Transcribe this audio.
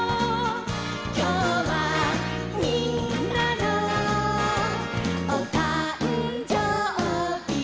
「きょうはみんなのおたんじょうび」